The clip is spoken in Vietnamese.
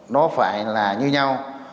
nó phải là như nhau